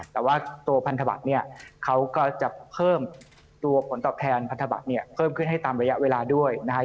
แต่ว่าตัวพันธบัตรเนี่ยเขาก็จะเพิ่มตัวผลตอบแทนพันธบัตรเนี่ยเพิ่มขึ้นให้ตามระยะเวลาด้วยนะครับ